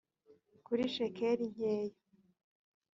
kuri shekel nkeya